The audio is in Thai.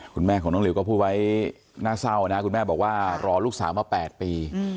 คุณแม่ของน้องลิวก็พูดไว้น่าเศร้านะคุณแม่บอกว่ารอลูกสาวมา๘ปี